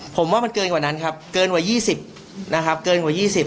ผมว่ามันเกินกว่านั้นครับเกินกว่า๒๐นะครับ